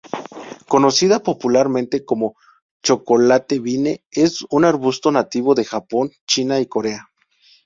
Conocida popularmente como "chocolate vine", es un arbusto nativo de Japón, China y Corea.